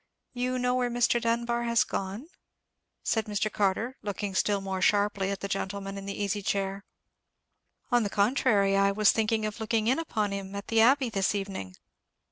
"You know where Mr. Dunbar has gone?" said Mr. Carter, looking still more sharply at the gentleman in the easy chair. "On the contrary, I was thinking of looking in upon him at the Abbey this evening."